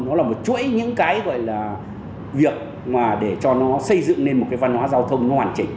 nó là một chuỗi những cái gọi là việc mà để cho nó xây dựng nên một cái văn hóa giao thông nó hoàn chỉnh